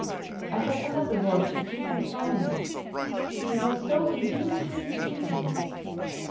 I had another work to keep from smiling: he was so ingenuously disingenuous.